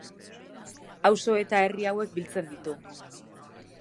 Auzo eta herri hauek biltzen ditu.